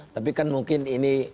tapi kan mungkin ini